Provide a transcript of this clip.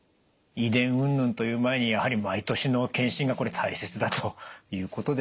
遺伝うんぬんという前にやはり毎年の検診が大切だということですね。